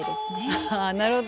ああなるほど。